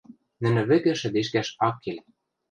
Нӹнӹ вӹкӹ шӹдешкӓш ак кел.